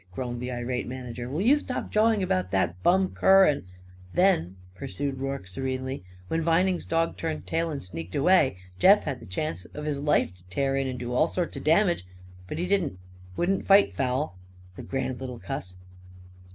groaned the irate manager, "will you stop jawing about that bum cur and " "Then," pursued Rorke serenely, "when Vining's dog turned tail and sneaked away, Jeff had the chance of his life to tear in and do all sorts of damage. But he didn't. Wouldn't fight foul the grand little cuss!"